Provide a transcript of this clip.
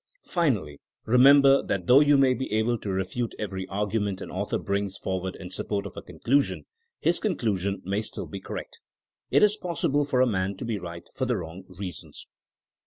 Finally, remember that though you may be able to refute every argument an author brings for ward in support of a conclusion, his conclusion may still be correct. It is possible for a man to be right for the wrong reasons.